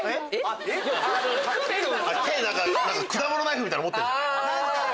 手に果物ナイフみたいなの持ってるじゃない。